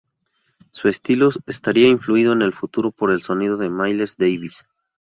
Su estilo estaría influido en el futuro por el sonido de Miles Davis.